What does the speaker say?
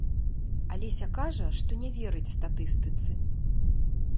Алеся кажа, што не верыць статыстыцы.